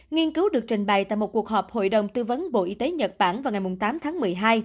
nghiên cứu được trình bày tại một cuộc họp hội đồng tư vấn bộ y tế nhật bản vào ngày tám tháng một mươi hai